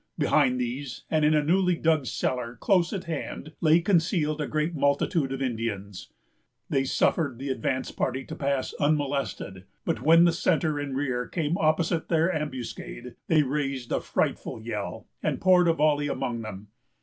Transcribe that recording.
Behind these, and in a newly dug cellar close at hand, lay concealed a great multitude of Indians. They suffered the advanced party to pass unmolested; but when the centre and rear came opposite their ambuscade, they raised a frightful yell, and poured a volley among them.